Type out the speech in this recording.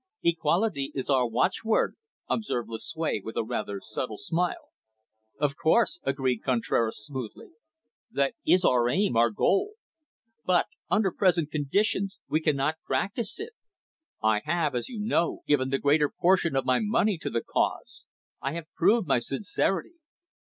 "Equality is our watchword," observed Lucue with a rather subtle smile. "Of course," agreed Contraras smoothly. "That is our aim, our goal. But, under present conditions, we cannot practise it. I have, as you know, given the greater portion of my money to the cause. I have proved my sincerity.